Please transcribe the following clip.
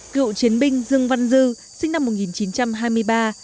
cựu chiến binh dương văn dư sinh năm một nghìn chín trăm hai mươi ba